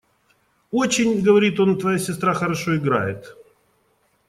– «Очень, – говорит он, – твоя сестра хорошо играет.